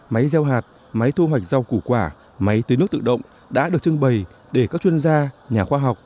máy gieo hạt máy thu hoạch rau củ quả máy tưới nước tự động đã được trưng bày để các chuyên gia nhà khoa học